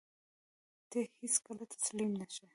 ته هېڅکله تسلیم نه شې.